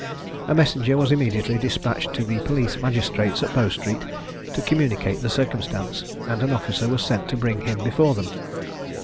A messenger was immediately despatched to the police magistrates at Bow street, to communicate the circumstance, and an officer was sent to bring him before them.